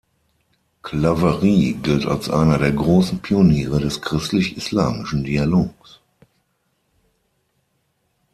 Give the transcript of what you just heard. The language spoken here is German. Claverie gilt als einer der großen Pioniere des christlich-islamischen Dialogs.